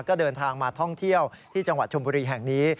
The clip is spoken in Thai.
ก็เดินทางมาท่องเที่ยวที่จังหวัดชมบุรีแห่งนี้